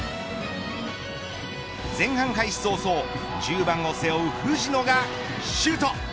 前半開始早々１０番を背負う藤野がシュート。